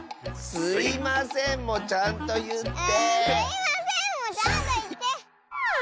「すいません」もちゃんといって！